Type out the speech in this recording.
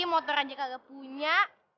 motor aja kagak punya